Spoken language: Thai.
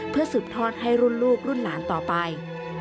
เพื่อสืบทอดให้รุ่นลูกรุ่นหลานต่อไป